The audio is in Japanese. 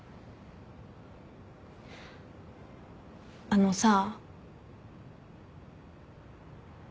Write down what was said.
あのさ。